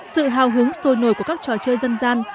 sự hào hứng sôi nổi của các trò chơi dân gian